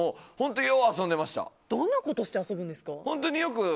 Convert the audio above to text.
どんなことして遊ぶんですか？